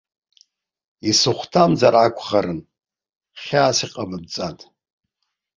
Исыхәҭамзар акәхарын, хьаас иҟабымҵан.